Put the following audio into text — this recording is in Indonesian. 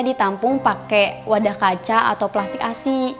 ditampung pakai wadah kaca atau plastik asi